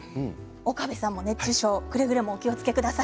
岡部さんも熱中症くれぐれもお気をつけください。